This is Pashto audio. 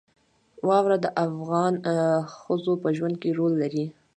واوره د افغان ښځو په ژوند کې رول لري.